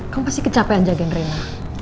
kamu pasti kecapean jagain rena